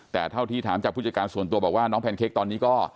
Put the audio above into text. แต่เท่าที่ถามจากผู้จัดการส่วนตัวบอกว่าน้องแพนเค้กตอนนี้ก็